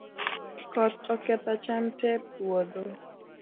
Koth oketho cham tee e puotho